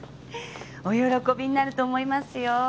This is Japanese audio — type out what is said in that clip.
お喜びになると思いますよ。